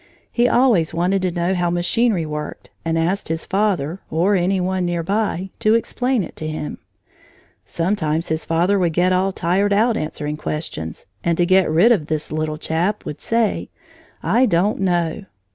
He always wanted to know how machinery worked and asked his father, or any one near by, to explain it to him. Sometimes his father would get all tired out answering questions, and to get rid of the little chap would say: "I don't know."